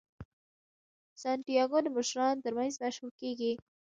سانتیاګو د مشرانو ترمنځ مشهور کیږي.